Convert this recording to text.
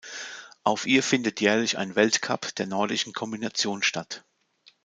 Auf ihr findet jährlich ein Weltcup der Nordischen Kombination statt.